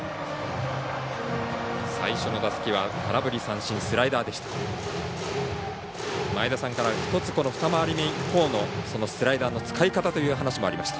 最初の打席は空振り三振スライダーでした。